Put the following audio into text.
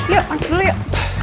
yuk masuk dulu yuk